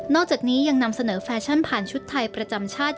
อกจากนี้ยังนำเสนอแฟชั่นผ่านชุดไทยประจำชาติ